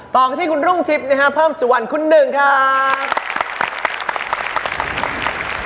ต่อกันที่คุณรุ่งทิพย์นะฮะเพิ่มสุวรรณคุณหนึ่งครับ